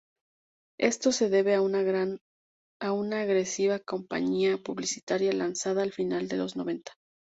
Esto se debe a una agresiva campaña publicitaria lanzada al final de los noventa.